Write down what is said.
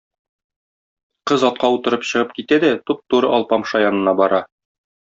Кыз атка утырып чыгып китә дә туп-туры Алпамша янына бара.